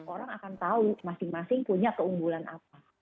orang akan tahu masing masing punya keunggulan apa